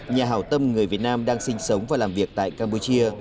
nhà hào tâm người việt nam đang sinh sống và làm việc tại campuchia